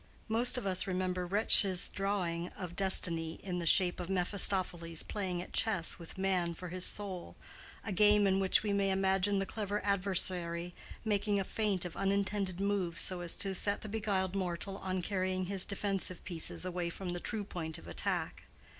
Most of us remember Retzsch's drawing of destiny in the shape of Mephistopheles playing at chess with man for his soul, a game in which we may imagine the clever adversary making a feint of unintended moves so as to set the beguiled mortal on carrying his defensive pieces away from the true point of attack.